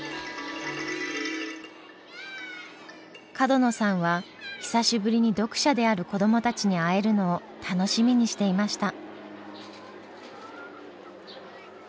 角野さんは久しぶりに読者である子どもたちに会えるのを楽しみにしていました。